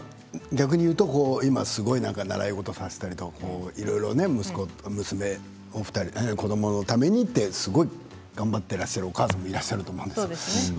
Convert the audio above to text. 逆に言うと今すごく習い事をさせたりとか娘とか息子、子どものためにと一生懸命頑張っていらっしゃるお母さんもいらっしゃると思いますからね。